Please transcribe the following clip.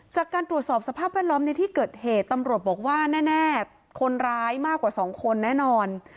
จากการตรวจสอบสภาพแวดล้อมในที่เกิดเหตุตำรวจบอกว่าแน่คนร้ายมากกว่า๒คนแน่นอน